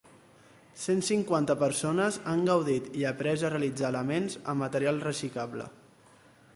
Cent cinquanta persones han gaudit i aprés a realitzar elements amb material reciclable.